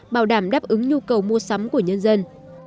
bảo đảm đáp ứng nhu cầu mua sắm của nhân dân